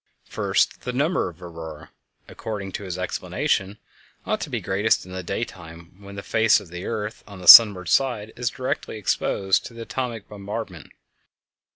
First, the number of auroræ, according to his explanation, ought to be greatest in the daytime, when the face of the earth on the sunward side is directly exposed to the atomic bombardment.